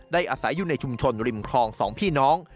อาศัยอยู่ในชุมชนริมคลองสองพี่น้อง